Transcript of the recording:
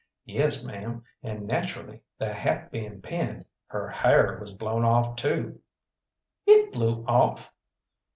"Yes, ma'am; and naturally the hat being pinned, her hair was blown off too." "It blew off!"